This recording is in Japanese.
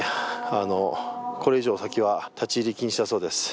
これ以上先は立ち入り禁止だそうです。